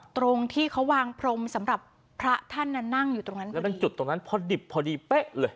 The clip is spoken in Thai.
ตรงที่เขาวางพรมสำหรับพระท่านน่ะนั่งอยู่ตรงนั้นแล้วมันจุดตรงนั้นพอดิบพอดีเป๊ะเลย